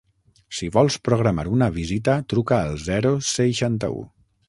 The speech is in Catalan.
Si vols programar una visita, truca al zero seixanta-u.